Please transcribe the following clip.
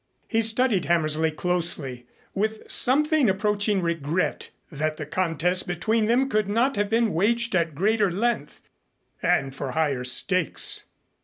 He studied Hammersley closely, with something approaching regret that the contest between them could not have been waged at greater length and for higher stakes.